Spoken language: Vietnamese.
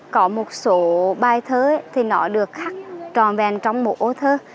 có một số bài thơ thì nó được khắc tròn vẹn trong một ô thơ